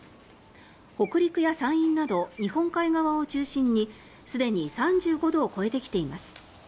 北陸や山陰など日本海側を中心にすでに３５度を超えてきています。